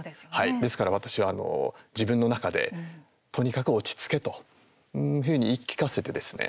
ですから私は、自分の中でとにかく落ち着けというふうに言い聞かせてですね